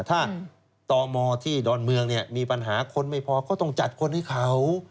ถ้าตมที่ดอนเมืองมีปัญหาคนไม่พอก็ต้องจัดคนให้เขา